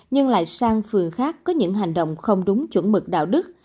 nhưng lại sang phường khác có những hành động không đúng chuẩn mực đạo đức